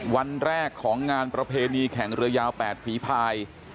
วันแรกของงานประเพณีแข่งเรือยาว๘ฝีภาย